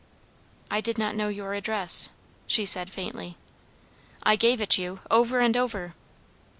"I did not know your address," she said faintly. "I gave it you, over and over."